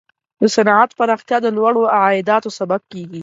د صنعت پراختیا د لوړو عایداتو سبب کیږي.